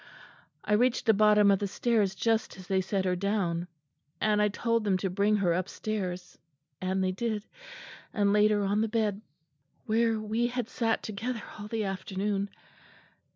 I reached the bottom of the stairs just as they set her down. And I told them to bring her upstairs; and they did, and laid her on the bed where we had sat together all the afternoon....